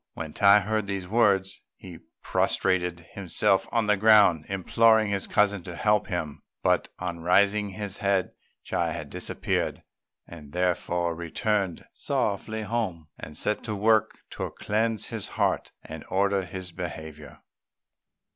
When Tai heard these words he prostrated himself on the ground, imploring his cousin to help him; but, on raising his head, Chi had disappeared; he therefore returned sorrowfully home, and set to work to cleanse his heart and order his behaviour.